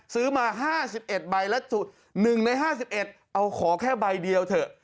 ซื้อมา๕๑ใบละจุด๑ใน๕๑เอาขอแค่ใบเดียวเถอะ